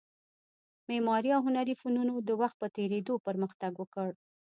معماري او هنري فنونو د وخت په تېرېدو پرمختګ وکړ